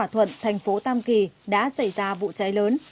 thuận thành phố tam kỳ đã xảy ra vụ cháy lớn